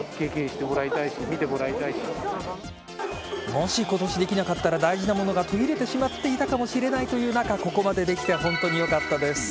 もし、今年できなかったら大事なものが途切れてしまっていたかもしれないという中ここまでできて本当によかったです。